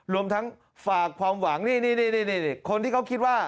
รวมทั้งฝากความหวังนี่คนที่เขาคิดว่า